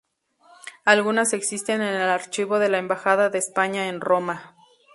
Algunas existen en el archivo de la embajada de España en Roma.